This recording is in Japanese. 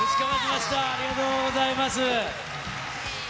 ありがとうございます。